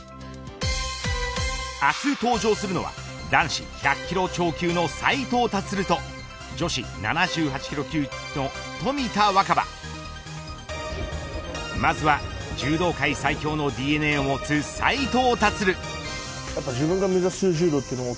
明日登場するのは男子１００キロ超級の斉藤立と女子７８キロ級超の冨田若春まずは柔道界最強のＤＮＡを持つ斉藤立。